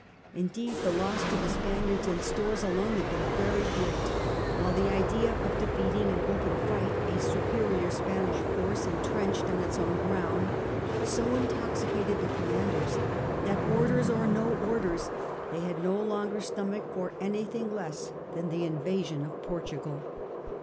Indeed the loss to the Spaniards in stores alone had been very great, while the idea of defeating in open fight a superior Spanish force intrenched on its own ground so intoxicated the commanders that, orders or no orders, they had no longer stomach for anything less than the invasion of Portugal.